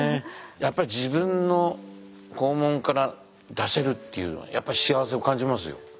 やっぱり自分の肛門から出せるっていうのはやっぱり幸せを感じますよ。